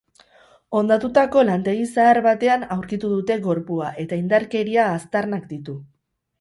Hondatutako lantegi zahar batean aurkitu dute gorpua eta indarkeria aztarnak ditu.